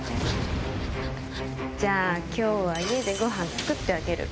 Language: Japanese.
じゃあ今日は家でごはん作ってあげる。